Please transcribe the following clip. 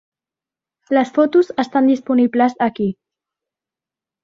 Les fotos estan disponibles aquí.